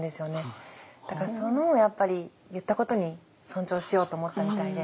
だからそのやっぱり言ったことに尊重しようと思ったみたいで。